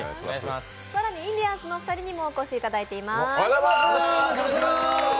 更にインディアンスのお二人にお越しいただきました。